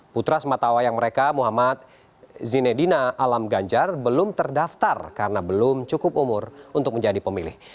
putra sematawayang mereka muhammad zinedina alam ganjar belum terdaftar karena belum cukup umur untuk menjadi pemilih